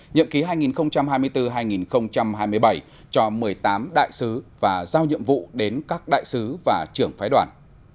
nhậm ký hai nghìn hai mươi bốn hai nghìn hai mươi bảy cho một mươi tám đại sứ và giao nhiệm vụ đến các đại sứ và trưởng phái đoàn